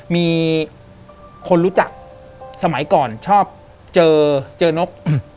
มีคนรู้จักสมัยก่อนชอบเจอนก